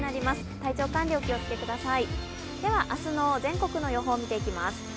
体調管理、お気をつけください。